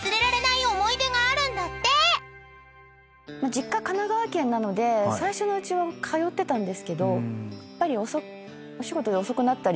実家神奈川県なので最初のうちは通ってたんですがやっぱりお仕事で遅くなったりすると。